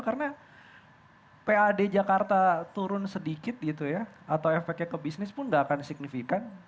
karena pad jakarta turun sedikit gitu ya atau efeknya ke bisnis pun nggak akan signifikan